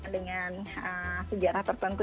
dengan sejarah tertentu